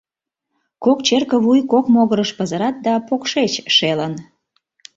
Кок черке вуй кок могырыш пызырат да, покшеч шелын.